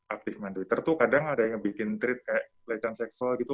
aktif main twitter tuh kadang ada yang bikin tweet kayak pelecehan seksual gitu